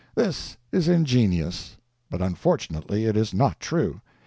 This is ingenious, but unfortunately it is not true.